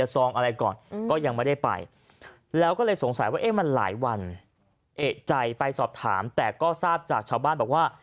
สอบถามแต่ก็ทราบจากชาวบ้านบอกว่า